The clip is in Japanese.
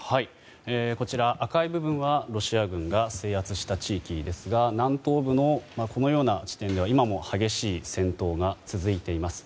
こちら、赤い部分はロシア軍が制圧した地域ですが南東部のこのような地点では今も激しい戦闘が続いています。